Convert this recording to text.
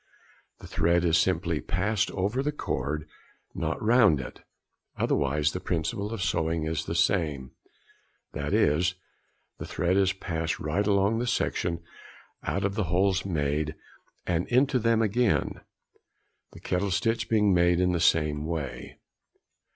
The thread is simply passed over the cord, not round it, otherwise the principle of sewing is the same, that is, the thread is passed right along the section, out of the holes made, and into them again; the kettle stitch being made in the same way.